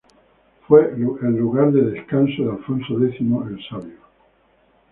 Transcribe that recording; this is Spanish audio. Fue lugar de descanso de Alfonso X el Sabio.